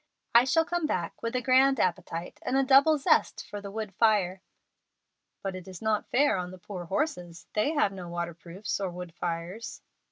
I shall come back with a grand appetite and a double zest for the wood fire." "But it is not fair on the poor horses. They have no waterproofs or wood fires."